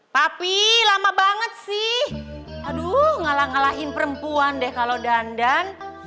tapi lama banget sih aduh ngalah ngalahin perempuan deh kalau dandan